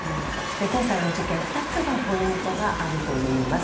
今回の事件、２つのポイントがあるといいます。